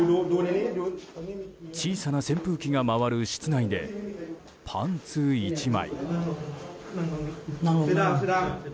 小さな扇風機が回る室内でパンツ１枚。